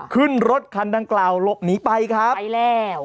ขึ้นรถคันดังกล่าวหลบหนีไปครับไปแล้ว